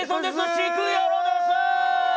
シクヨロです。